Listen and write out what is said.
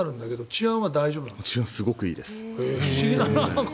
治安はすごくいいです。